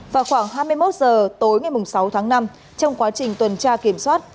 vào khoảng hai mươi một h tối ngày sáu tháng năm trong quá trình tuần tra kiểm soát